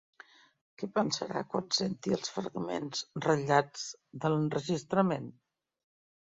¿Què pensarà quan senti els fragments ratllats de l'enregistrament?